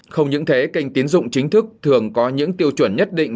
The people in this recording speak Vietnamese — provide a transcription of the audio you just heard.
không những thế kênh tiến dụng chính thức thường có những tiêu chuẩn nhất định